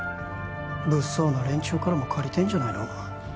物騒な連中からも借りてんじゃないの？